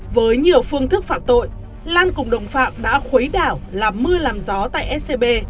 với nhiều phương thức phạm tội lan cùng đồng phạm đã khuấy đảo làm mưa làm gió tại scb